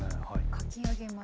書き上げました。